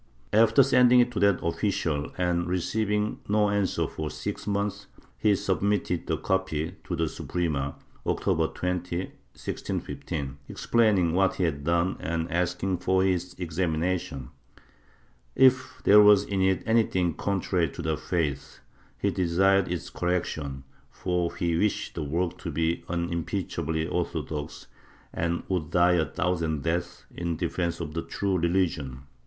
After sending it to that official and receiving no answer for six months, he submitted a copy to the Suprema, October 20, 1615, explaining what he had done and asking for its examination; if there was in it anything contrary to the faith, he desired its correction, for he wished the work to be unimpeachably orthodox and would die a thousand deaths in defence of the true religion.